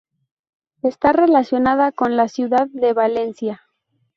Está relacionada con la ciudad de Valencia.